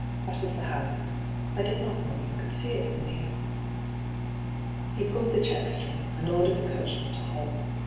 that is the house. I did not know you could see it from here.' He pulled the check string, and ordered the coachman to halt.